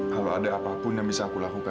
kalau ada apapun yang bisa aku lakukan